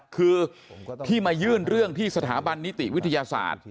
คือที่มายื่นเรื่องที่สถาบันนิติวิทยาศาสตร์